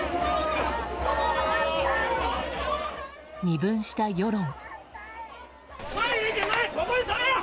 二分した世論。